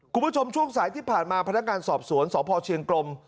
ช่วงสายที่ผ่านมาพนักงานสอบสวนสพเชียงกลม